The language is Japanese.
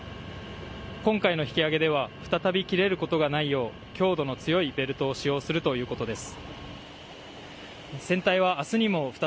今回の引き揚げでは再び切れることがないよう強度の強いベルトを使用するということです。